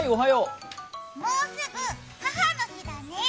もうすぐ母の日だね。